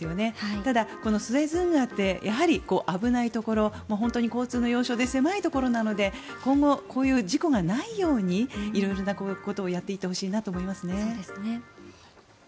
ただ、スエズ運河ってやはり危ないところ本当に交通の要所で狭いところなので今後、こういう事故がないように色々なことをやっていってほしいなと思いますね。